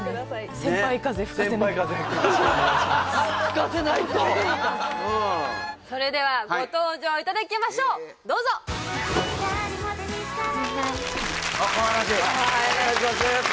先輩風吹かせないと吹かせないとうんそれではご登場いただきましょうどうぞお願いします